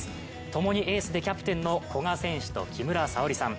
共にエースでキャプテンの古賀選手と、木村沙織さん。